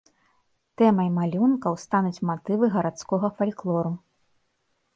Тэмай малюнкаў стануць матывы гарадскога фальклору.